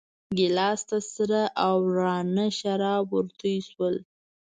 ګیلاس ته سره او راڼه شراب ورتوی شول.